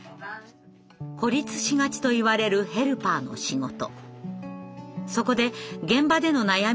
「孤立しがち」といわれるヘルパーの仕事。